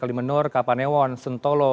limenur kapanewon sentolo